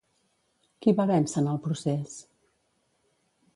Qui va vèncer en el procés?